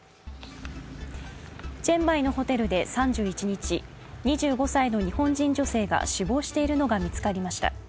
チェンマイのホテルで３１日、２５歳の日本人女性が死亡しているのが見つかりました。